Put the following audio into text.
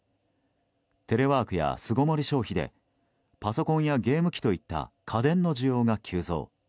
テレワークや巣ごもり消費でパソコンやゲーム機といった家電の需要が急増。